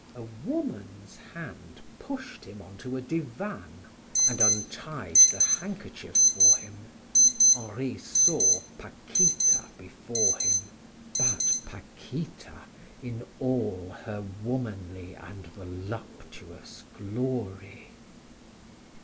A woman's hand pushed him on to a divan, and untied the handkerchief for him. Henri saw Paquita before him, but Paquita in all her womanly and voluptuous glory.